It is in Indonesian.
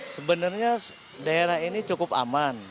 sebenarnya daerah ini cukup aman